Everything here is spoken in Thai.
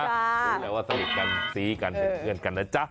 รู้แล้วว่าสนิทกันซี้กันเป็นเพื่อนกันนะจ๊ะ